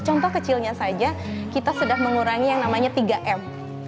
contoh kecilnya saja kita sudah mengurangi yang namanya tiga m